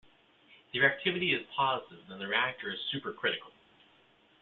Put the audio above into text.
If the reactivity is positive - then the reactor is supercritical.